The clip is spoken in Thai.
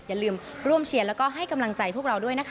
อย่าลืมร่วมเชียร์แล้วก็ให้กำลังใจพวกเราด้วยนะคะ